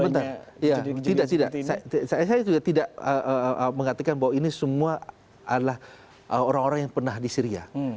sebentar tidak saya juga tidak mengatakan bahwa ini semua adalah orang orang yang pernah di syria